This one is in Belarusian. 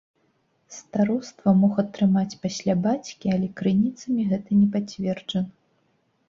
Староства мог атрымаць пасля бацькі, але крыніцамі гэта не пацверджана.